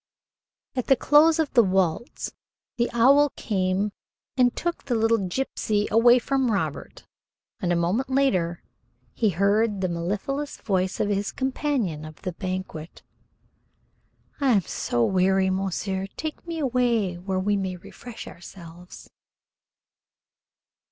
At the close of the waltz the owl came and took the little gypsy away from Robert, and a moment later he heard the mellifluous voice of his companion of the banquet. "I am so weary, monsieur. Take me away where we may refresh ourselves."